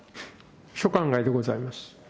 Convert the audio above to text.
所管外でございます。